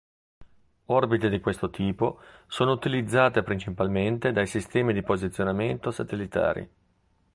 Orbite di questo tipo sono utilizzate principalmente dai sistemi di posizionamento satellitari.